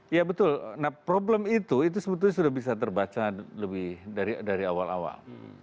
ya betul nah problem itu itu sebetulnya sudah bisa terbaca lebih dari awal awal